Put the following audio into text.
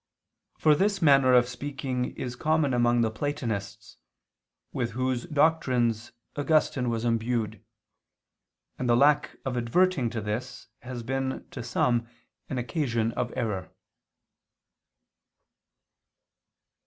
For this manner of speaking is common among the Platonists, with whose doctrines Augustine was imbued; and the lack of adverting to this has been to some an occasion of error.